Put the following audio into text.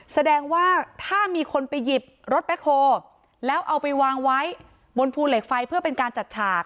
แสดงว่าถ้ามีคนไปหยิบรถแบ็คโฮแล้วเอาไปวางไว้บนภูเหล็กไฟเพื่อเป็นการจัดฉาก